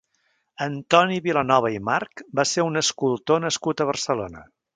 Antoni Vilanova i March va ser un escultor nascut a Barcelona.